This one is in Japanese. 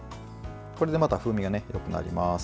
これでまた風味がよくなります。